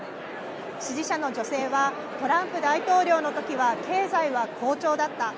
支持者の女性はトランプ大統領のときは経済は好調だった。